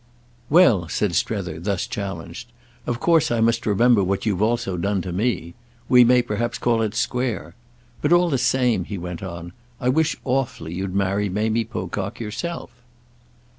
"Well," said Strether, thus challenged, "of course I must remember what you've also done to me. We may perhaps call it square. But all the same," he went on, "I wish awfully you'd marry Mamie Pocock yourself."